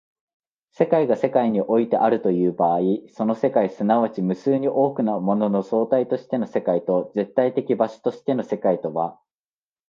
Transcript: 世界が世界においてあるという場合、その世界即ち無数に多くのものの総体としての世界と絶対的場所としての世界とは